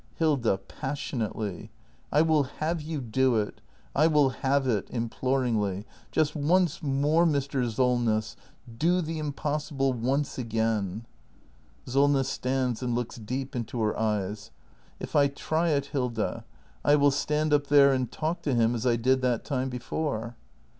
Hilda. [Passionately.] I will have you do it! I will have it! [Imploringly.] Just once more, Mr. Solness! Do the impossible once again ! Solness. [Stands and looks deep into her eyes.] I f I try it, Hilda, I will stand up there and talk to him as I did that time before.